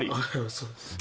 そうです。